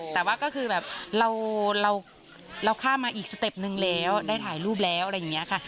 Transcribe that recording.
แต่ว่าก็คือแบบเราข้ามมาอีกสเต็ปนึงแล้วได้ถ่ายรูปแล้วอะไรอย่างนี้ค่ะ